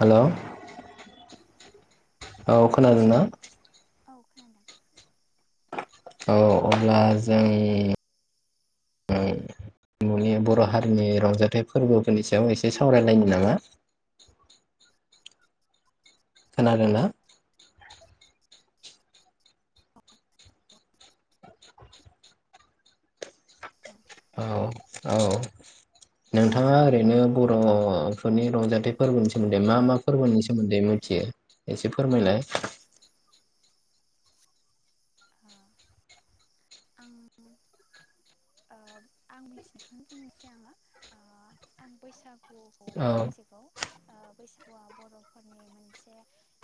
हेल' औ खोनादोंना? औ खोनादों। औ अब्ला जों ओ न'नि बर' हारिनि रंजाथाइ फोरबोफोरनि सायाव एसे सावरायलायनो नामा? खोनादोंना? बुं औ औ नोंथाङा ओरैनो बर' फोरनि रंजाथाइ फोरबोनि सोमोन्दै मा मा फोरबोनि सोमोन्दै मिथियो एसे फोरमायलाय। ओ आं ओ आं मिथिनायखौनो बुंनोसै आङो ओ आं बैसागु गुखौ औ मोन्थिगौ। ओ बैसागुआ बर'फोरनि मोनसे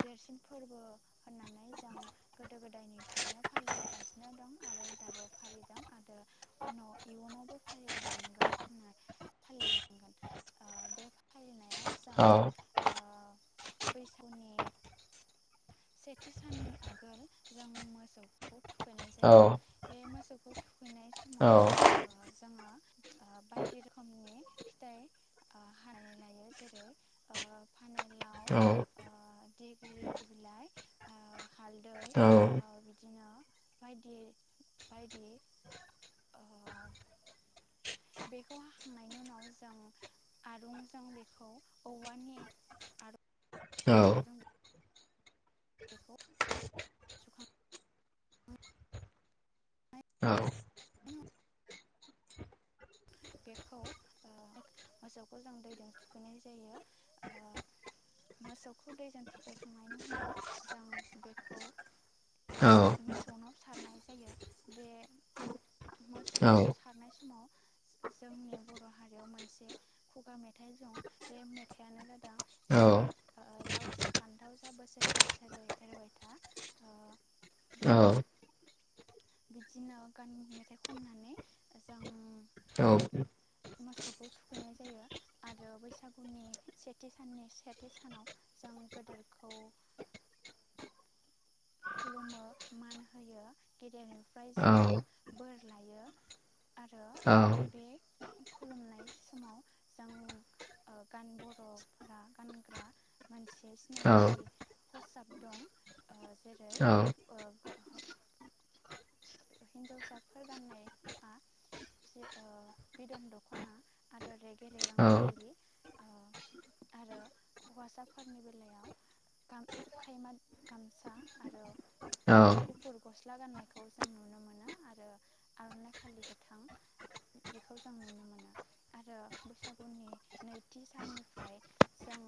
देरसिन फोरबो होननानै जों गोदो गोदायनिफ्रायनो फालिबोगासिनो दं आरो दाबो फालिदों आरो उनाव इयुनावबो फालिलांगोन [unintelligible] फालिलांगोन ओ बे फालिनायाव जों औ ओ बै [unintelligible] सेथि साननि आगोल जों मोसौखौ थुखैनाय औ जायो बे मोसौखौ थुखैनाय औ समाव ओ जोङो ओ बायदि रोखोमनि फिथाइ ओ हानानै लायो जेरै ओ फानिलाव औ ओ देगलिथि बिलाइ ओ हालदै औ ओ बिदिनो बायदि बायदि ओ बेखौ हाखांनायनि उनाव जों आरुंजों बेखौ औवानि आर औ रुंजों बेखौ सुखां सुखांनायनि बेखौ ओ मोसौखौ जों दैदों थुखैनाय जायो ओ मोसौखौ दैजों थुखैखांनायनि उनाव जों बेखौ औ मोसौनाव सारनाय जायो बे मोसौनाव सारनाय समाव जोंनि बर' हारियाव मोनसे खुगा मेथाइ दं बे मेथाइयानो जादों औ जेरै औ ओ लाउ जा फान्थाव जा बोसोरै बोसोरै एरबायथा ओ औ बिदिनो गान मेथाइ खननानै जों मोसौखौ थुखैनाय जायो आरो बैसागुनि सेथि साननि सेथि सानाव जों गोदोरखौ खुलुमो मान होयो गेदेरनिफ्राय जोङो बोर लायो आरो बे खुलुमनाय समाव जों ओ गान बर'फोरा गानग्रा मोनसे सिनायथि खसाब दं ओ जेरै ओ [unintelligible] हिनजावसाफोर गान्नायआ जे ओ बिदन दख'ना आरो रेगे रेगां फालि ओ आरो हवासाफोरनि बेलायाव गाम खायमा गामसा आरो गुफुर गस्ला गाननायखौ जों नुनो मोनो आरो आर'नाइ फालि गोथां बेखौ जों नुनो मोनो आरो बैसागुनि नैथि साननिफ्राय जों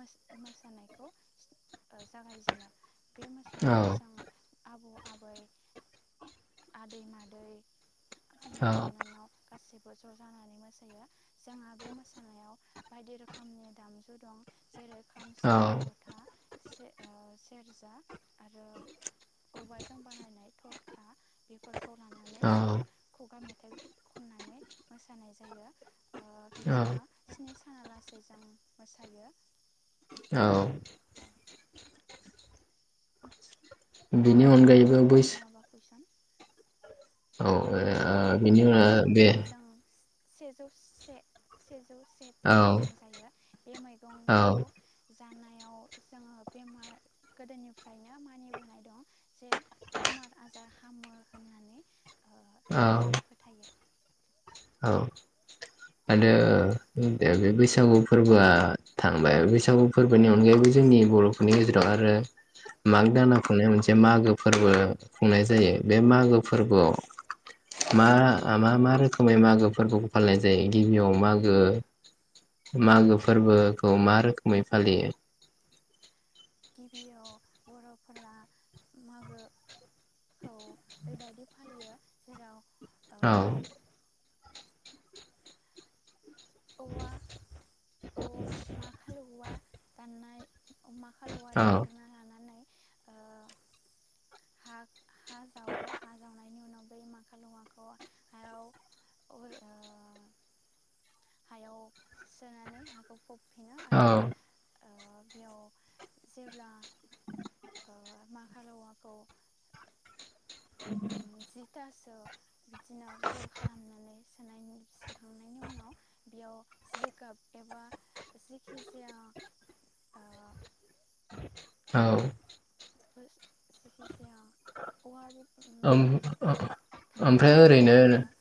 मोस-मोसानायखौ ओ जागायजेनो बे औ मोसानायाव जों आबौ आबै आदै मादै औ फंबाय बिनानाव गासैबो ज' जानानै मोसायो जोंहा बे मोसानायाव बायदि रोखोमनि दामजु दं जेरै खाम औ सिफुं ज'था से ओ सेरजा आरो औवाजों बानायनाय थर खा बेफोरखौ लानानै जों औ खुगा मेथाइ खननानै मोसानाय जायो ओ औ बिदिनो स्नि साना लासेै जों मोसायो। औ बिनि अनगायैबो नोंथांनिफ्राय आरो बैसो माबा कुइसन? औ बे ओ बिनि उनाव बे बैसागुआव जों सेजौ से सेजौ सेथा औ मैगं जायो बे मैगंखौ जानायाव जोङो बेमार गोदोनिफ्रायनो मानिबोनाय दं जे बेमार आजार हामो होननानै ओ जों औ फोथायो। औ आरो बे बैसागु फोरबोआ थांबाय बैसागु फोरबोनि अनगायैबो जोंनि बर'फोरनि गेजेराव आरो माग दानआ खुंनाय मोनसे मागो फोरबो खुंनाय जायो बे मागो फोरबोआव मा मा मा रोखोमै मागो फोरबोखौ फालिनाय जायो गिबियाव मागो मागो फोरबोखौ मा रोखोमै फालियो? गिबियाव बर'फोरा मागोखौ बैबायदि फालियो जेराव ओ औ औवा औ माखाल औवा दाननाय माखाल औवा औ दानग्रोना लानानै ओ हाग हा जावो हा जावनायनि उनाव बै माखाल औवाखौ हायाव [unintelligible] ओ हायाव सोनानै हाखौ फबफिनो आरो बेयाव जेब्ला ओ माखाल औवाखौ जिथासो बिदिनो गल खालामनानै सोनाय सोखांनायनि उनाव बेयाव जिगाब एबा जेखि जाया ओ औ औ जेखि जाया औवाबो उम ओम ओमफ्राय थालिरनि ओरैनो बिलाइफोरबा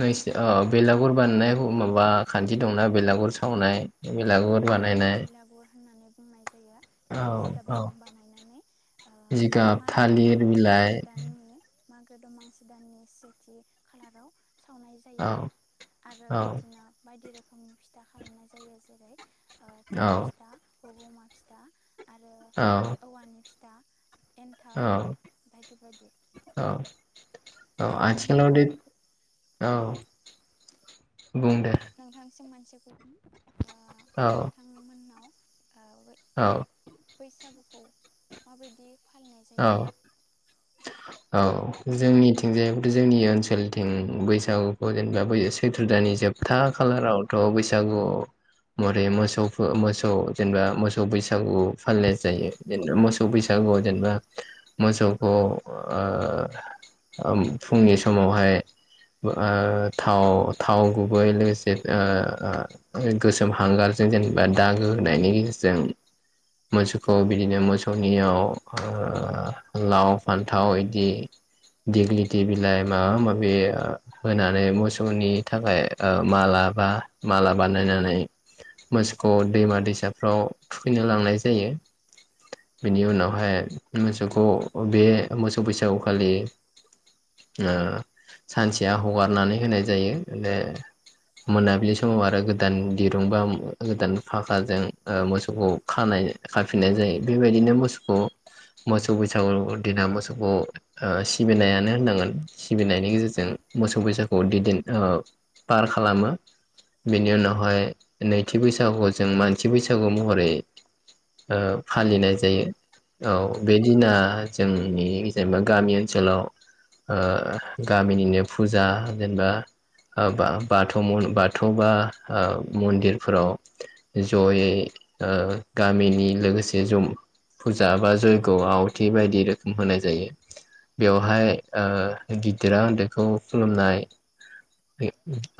नोंसि अ बेलागुर बानायनाय माबा खान्थि दंना बेलागुर सावनाय? बेलागुर औ बेखौ बानायनाय बेलागुर होननानै बुंनाय जायो बेखौ औ जिगाबजों औ बानायनानै ओ जिगाब मागो थालिर मागो बिलाय दाननि मागो दमासि दाननि सेथि खालाराव सावनाय जायो औ आरो औ बिदिनो बायदि रो फिथा खालामनाय जायो जेरै ओ औ थाव फिथा हगमा फिथा आरो औ औवानि फिथा एन्थाब बायदि बायदि। औ औ आथिखालाव नोंथांनाव दे औ बुं दे से [unintelligible] औ ओ नोंथांमोननाव औ औ बैसागुखौ माबायदि फालिनाय जायो? औ औ जोंनिथिं जायबोथ' जोंनि ओनसोलथिं बैसागुखौ जेनेबा बै सैथ्र' दानि जोबथा खालारावथ' बैसागु महरै मोसौखौ मोसौ जेनेबा मोसौ बैसागु फालिनाय जायो जेनबा मोसौ बैसागुआव जेनेबा मोसौखौ ओ फुंनि समावहाय ओ थाव थाव गुबै लोगोसे ओ ओ गोसोम हांगारजों जेनेबा दागो होनायनि गेजेरजों औ मोसौखौ बिदिनो मोसौ नियाव ओ लाव फान्थाव बिदि दिग्लिथि बिलाइ माबा माबि ओ होनानै मोसौनि थाखाय ओ मालाबा माला बानायनानै मोसौखौ दैमा दैसाफ्राव थुखैनो लांनाय जायो। बेनि औ उनावहाय मोसौखौ बे मोसौ बैसागु खालि ओ सानसेया हगारनानै होनाय जायो बे मोनाबिलि समाव आरो गोदान दिरुं बा गोदान फाखाजों ओ मोसौखौ खानाय खाफिननाय जायो बेबायदिनो मोसौखौ मोसौ बैसागु दिना मोसौखौ ओ सिबिनायानो होननांगोन सिबिनायनि औ गेजेरजों मोसौ बैसा गु दिदिन ओ पार खालामो बेनि उनावहाय नैथि बैसागुखौ जों मानसि बैसागु महरै ओ फालिनाय जायो उम औ। ओ दा जोंनि जेनेबा गामि ओनसोलाव ओ गामिनिनो फुजा जेनेबा ओ बा-बाथौ बाथौ बा मन्दिरफोराव जयै ओ गामिनि लोगोसे ज फुजा बा जय ग आवथि बायदि रोखोम होनाय जायो औ बेवहाय ओ गिदिरा उन्दैखौ खुलुमनाय बे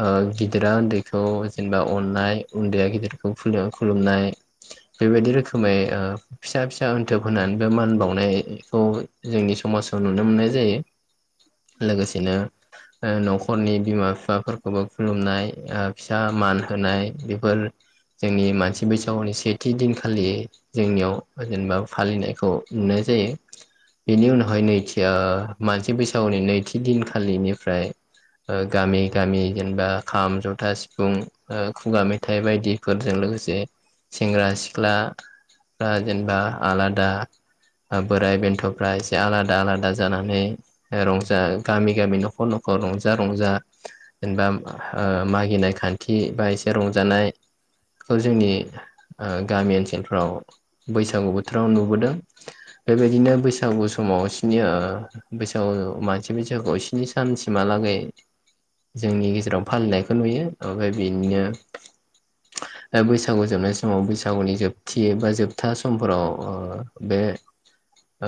ओ गिदिरा उन्दैखौ जेनेबा अननाय उन्दैया गिदिरखौ खुलु-खुलुमनाय औ बेबायदि रोखोमै ओ फिसा फिसा उन्थोब होना बे मान बावनायखौ जोंनि समाजाव नुनो मोननाय जायो। उम लोगोसेनो ओ न'खरनि बिमा बिफाफोरखौबो खुलुमनाय ओ फिसा मान होनाय बेफोर जोंनि मानसि बैसागुनि सेथि दिनखालि जोंनियाव जेनेबा फालिनाय खौ नुनाय जायो। बेनि उनावहाय थारैनो नैथि आ मानसि बैसागुनि नैथि दिनखालिनिफ्राय ओ गामि गामि जेनेबा खाम, ज'था, सिफुं खुगा मेथाइ बायदिफोरजों लोगोसे सेंग्रा सिख्लाफ्रा ओ जेनेबा बा आलादा ओ बोराय बेन्थ'फ्रा एसे आलादा आलादा जानानै रंजा गामि गामि न'खर न'खर रंजा रंजा जेनेबा ओ मागिनाय खान्थि बा एसे रंजानायखौ ओ जोंनि गामि ओनसोलफ्राव बैसागु बोथोराव नुबोदों। बेबायदिनो औ बैसागु समाव स्नि ओ बैसागु मानसि बैसागुआव स्नि सानसिमहालागै जोंनि गेजेराव फालिनायखौ नुयो ओमफ्राय बिदिनो ओ बैसागु जोबनाय समाव बैसागुनि जोबथि बा जोबथा समफोराव ओ बे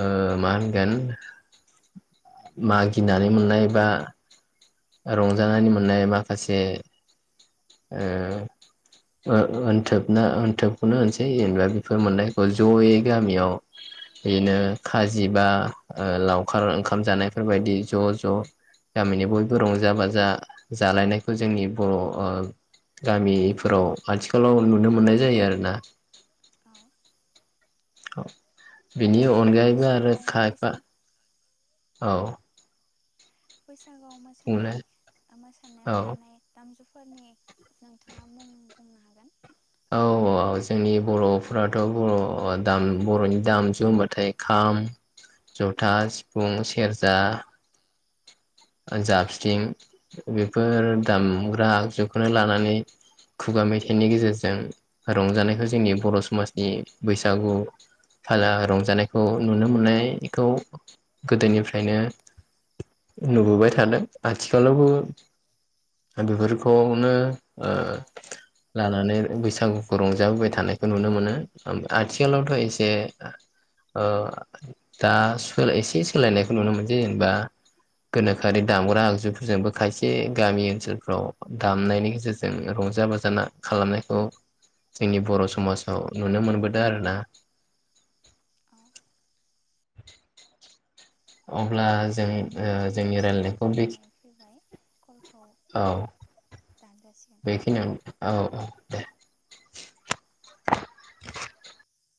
ओ मा होनगोन मागिनानै मोननाय बा रंजानानै मोननाय माखासे ओ-ओन्थोब ना ओन्थोबखौनो होनसै जेनेबा बेफोर मोननायखौ औ जयै गामियाव बिदिनो खाजि बा ओ लावखार ओंखाम जानायफोरबायदि ज' ज' गामिनि बयबो रंजा बाजा जालायनायखौ जोंनि बर' ओ खुङो गामिफोराव आथिखालाव नुनो मोननाय जायो आरोना औ औ। बिनि अनगायैबो आरो बैसागुआव खायफा बैसाग औ। बैसा बैसागुयाव मोसानाय बुंलाय बा औ मोसानायावलानाय दामजुु फोरनि नोंथाङा मुं बुंनो हागोन। औ आ जोंनि बर'फोराथ' बर' दाम बर'नि दामजु होनबाथाय खाम, जथा, सिफुं, सेरजा ओ जाबस्रिं बेफोर दामग्रा आगजुखौनो लानानै खुगा मेथाइनि गेजेरजों रंजानायखौ जोंनि बर' समाजनि बैसागु थाजा रंजानायखौ नुनो मोननायखौ गोदोनिफ्रायनो नुबोबाय थादों। आथिखालावबो बेफोरखौनो ओ लानानै बैसागुखौ रंजाबोबाय थानायखौ नुनो मोनो। आथियावलथ' औ एसे ओ दा सोलाय एसे सोलायनायखौ नुनो मोन दि जेनेबा गोनोखोआरि दामग्रा आगजुफोरजोंबो खायसे गामि ओनसोलफ्राव दामनायनि गेजेरजों रंजा बाजाना खालामनायखौ जोंनि बर' समाजाव नुनो मोनबोदों आरोना। औ [inaudible] ब्ला जों ओ नोंथां जोंना जोंनि समा रायलानायखौ बेखि जानानै फैबाय कलखौ औ दानजासिगोन। बेखिनियाव औ [inaudible]